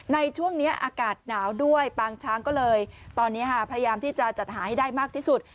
ในช่วงนี้อากาศหนาวด้วยปางช้างก็เลยตอนนี้พยายามที่จะจัดหาให้ได้มากที่สุด